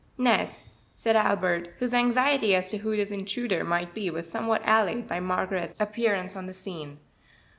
"Nes," said Albert, whose anxiety as to who this intruder might be was somewhat allayed by Margaret's appearance on the scene.